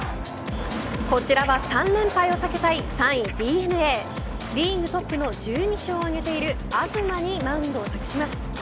こちらは３連敗を避けたい３位ＤｅＮＡリーグトップの１２勝を挙げている東にマウンドを託します。